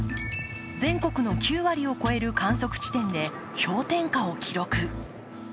全国の９割を超える観測地点で氷点下を記録。